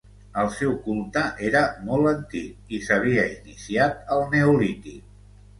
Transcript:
El seu culte, era molt antic, i s'havia iniciat al neolític.